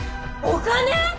お金！？